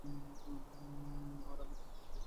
আর আমি তাহাদের দোষও দিতে পারি না।